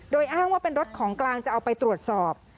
โดยอ้างว่าเป็นรถของกลางจะเอาไปตรวจสอบ